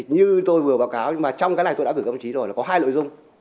như tôi vừa báo cáo nhưng mà trong cái này tôi đã gửi công trí rồi là có hai nội dung